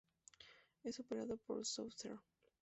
Es operado por Southern.